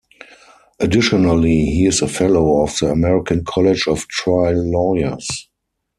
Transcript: Additionally, he is a fellow of the American College of Trial Lawyers.